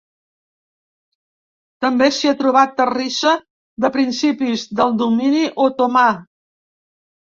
També s'hi ha trobat terrissa de principis del domini otomà.